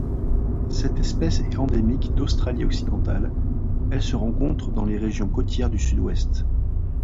Cette espèce est endémique d'Australie-Occidentale, elle se rencontre dans les régions côtières du Sud-Ouest.